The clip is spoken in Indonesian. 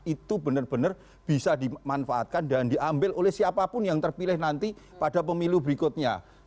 itu benar benar bisa dimanfaatkan dan diambil oleh siapapun yang terpilih nanti pada pemilu berikutnya